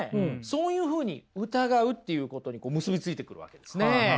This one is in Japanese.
そういうふうに疑うっていうことに結び付いてくるわけですね。